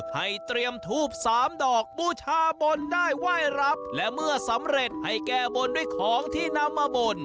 ให้เตรียมทูบสามดอกบูชาบนได้ไหว้รับและเมื่อสำเร็จให้แก้บนด้วยของที่นำมาบ่น